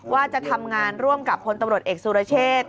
ว่าจะทำงานร่วมกับคนตำรวจเอกสุรเชษ